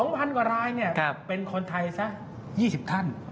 ๒๐๐๐กว่ารายเป็นคนไทย๒๐ท่าน